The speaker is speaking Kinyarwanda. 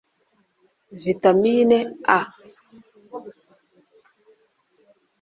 Vitamine A